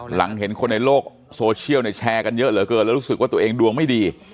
หลังเห็นคนในโลกโซเชียลเนี่ยแชร์กันเยอะเหลือเกินแล้วรู้สึกว่าตัวเองดวงไม่ดี